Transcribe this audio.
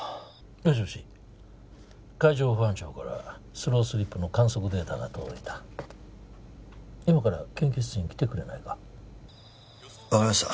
もしもし海上保安庁からスロースリップの観測データが届いた今から研究室に来てくれないか分かりました